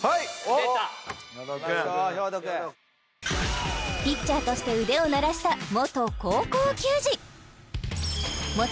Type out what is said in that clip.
でた兵頭くんピッチャーとして腕を鳴らした元高校球児